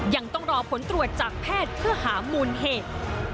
ยังต้องรอผลตรวจจากแพทย์เพื่อหามูลเหตุ